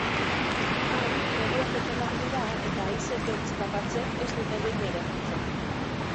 Han, neguak epelak dira eta haize beltz garratzek ez dute behin ere jotzen.